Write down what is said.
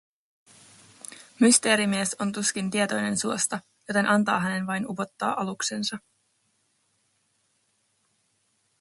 Mysteerimies on tuskin tietoinen suosta, joten antaa hänen vain upottaa aluksensa.